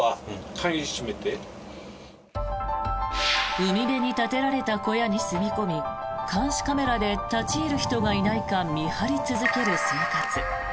海辺に建てられた小屋に住み込み監視カメラで立ち入る人がいないか見張り続ける生活。